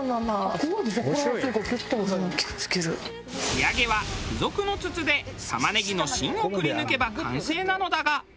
仕上げは付属の筒で玉ねぎの芯をくり抜けば完成なのだが。